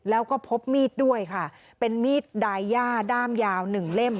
แล้วก็พบมีดด้วยค่ะเป็นมีดดายย่าด้ามยาวหนึ่งเล่ม